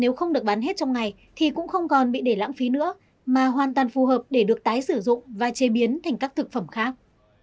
nếu không được bán hết trong ngày thì cũng không còn bị để lãng phí nữa mà hoàn toàn phù hợp để được tái sử dụng và chế biến thành các thực phẩm khác